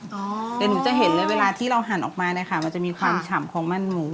เดี๋ยวหนูจะเห็นเลยเวลาที่เราหั่นออกมาเนี่ยค่ะมันจะมีความฉ่ำของมันหมู